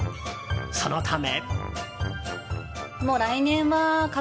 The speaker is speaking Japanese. そのため。